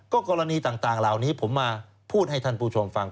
กรณีต่างเหล่านี้ผมมาพูดให้ท่านผู้ชมฟัง